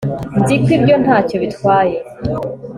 Nzi ko ibyo ntacyo bitwaye